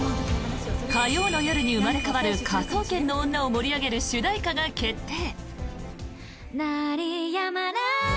火曜の夜に生まれ変わる「科捜研の女」を盛り上げる主題歌が決定。